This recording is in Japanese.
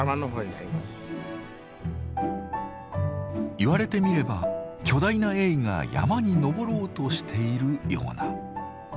言われてみれば巨大なエイが山に登ろうとしているような。